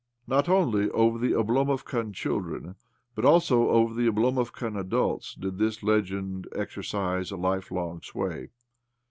... Not only over the Oblomovkan children, but also over the Oblomovkan adults, did this legend exercise a lifelong sway.